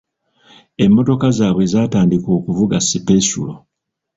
Emmotoka zaabwe zatandika okuvuga sipesulo.